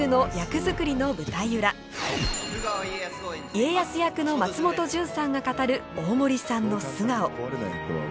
家康役の松本潤さんが語る大森さんの素顔。